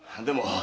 でも！